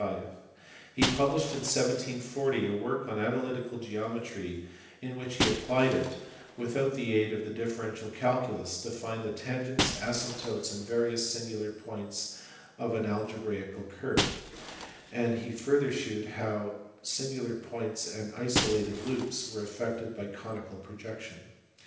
FAGNANO. published in 1740 a work on analytical geometry in which he applied it, without the aid of the differential calculus, to find the tangents, asymptotes, and various singular points of an algebraical curve ; and he further shewed how singular points and isolated loops were affected by conical projection.